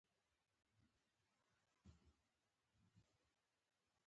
په افغانستان کې اوښ ډېر اهمیت لري.